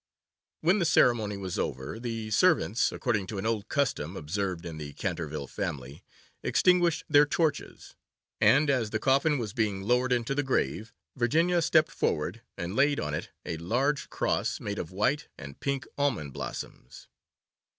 When the ceremony was over, the servants, according to an old custom observed in the Canterville family, extinguished their torches, and, as the coffin was being lowered into the grave, Virginia stepped forward and laid on it a large cross made of white and pink almond blossoms.